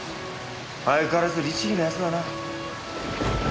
相変わらず律儀な奴だな。